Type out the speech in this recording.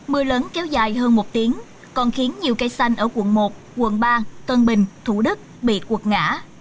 mưa lớn kéo dài hơn một tiếng còn khiến nhiều cây xanh ở quận một quận ba tân bình thủ đức bị quật ngã